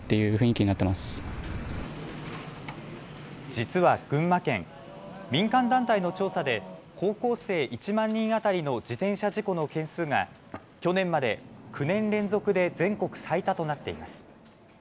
実は群馬県、民間団体の調査で高校生１万人当たりの自転車事故の件数が去年まで９年連続で全国最多となっています。